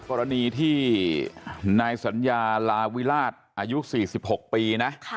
กรณีที่นายสัญญาลาวิราชอายุ๔๖ปีนะ